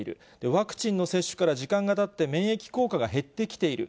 ワクチンの接種から時間がたって、免疫効果が減ってきている。